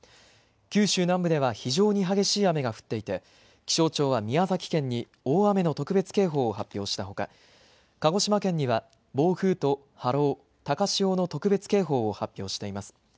九州南部では非常に激しい雨が降っていて気象庁は宮崎県に大雨の特別警報を発表したほか鹿児島県には暴風と波浪、高潮の特別警報を発表しています。